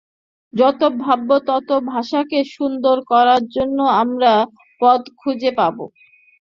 যত ভাবব, তত ভাষাকে সুন্দর করার জন্য আমরা পথ খুঁজে পাব।